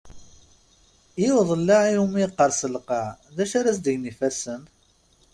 I uḍellaɛ umi yeqqers lqaɛ, d acu ara as-d-gen yifassen?